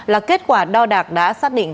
là kết quả đo đạc đã xác định